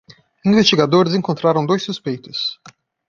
Investigadores encontraram dois suspeitos